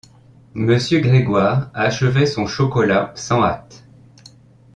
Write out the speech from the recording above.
Monsieur Grégoire achevait son chocolat, sans hâte.